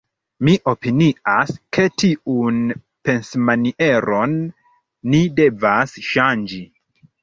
Mi opinias, ke tiun pensmanieron ni devas ŝanĝi.